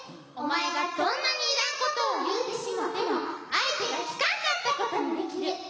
お前がどんなにいらんことを言うてしもても相手が聞かんかったことにできる。